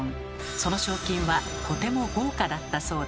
その賞金はとても豪華だったそうで。